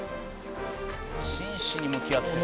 「真摯に向き合ってる」